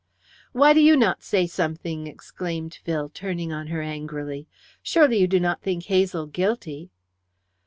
"Why do you not say something?" exclaimed Phil, turning on her angrily. "Surely you do not think Hazel guilty?"